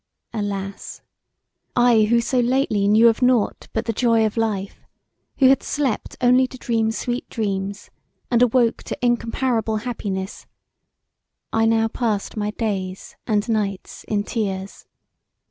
Alas! I who so lately knew of nought but the joy of life; who had slept only to dream sweet dreams and awoke to incomparable happiness, I now passed my days and nights in tears.